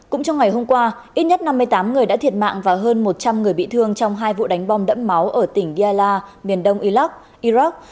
cũng trong ngày hôm qua ít nhất năm mươi tám người đã thiệt mạng và hơn một trăm linh người bị thương trong hai vụ đánh bom đẫm máu ở tỉnh yala miền đông iraq iraq